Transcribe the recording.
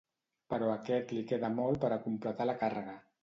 Però a aquest li queda molt per a completar la càrrega.